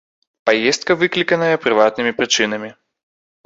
Паездка выкліканая прыватнымі прычынамі.